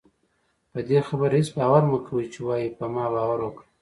پدې خبره هېڅ باور مکوئ چې وايي په ما باور وکړه